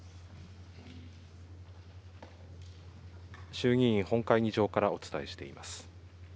衆議院本会議場からお伝えしています。